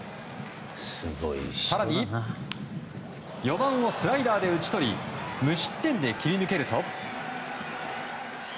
更に、４番をスライダーで打ちとり無失点で切り抜けると。